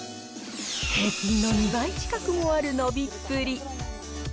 平均の２倍近くもある伸びっぷり。